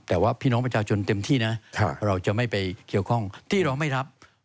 แต่ว่าพี่น้องประชาชนเต็มที่นะเราจะไม่ไปเกี่ยวข้องที่เราไม่รับ